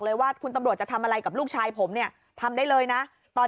ว่าคุณตำรวจจะทำอะไรกับลูกชายผมเนี่ยทำได้เลยนะตอน